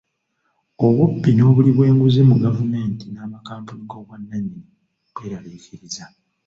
Obubbi n'obuli bw'enguzi mu gavumenti n'amakampuni g'obwannannyini bweraliikiriza.